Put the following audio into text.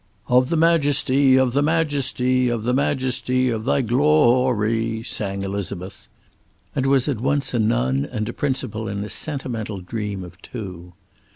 "Of the majesty, of the majesty, of the majesty, of Thy gl o o ry," sang Elizabeth. And was at once a nun and a principal in a sentimental dream of two.